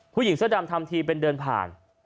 ผู้หญิงเสื้อดำทำทีเป็นเดินผ่าน